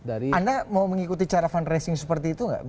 anda mau mengikuti cara fundraising seperti itu nggak